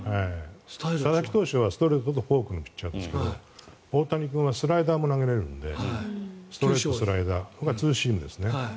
佐々木投手はストレートとフォークのピッチャーですけど大谷君はスライダーも投げれるのでストレート、スライダーツーシームですね。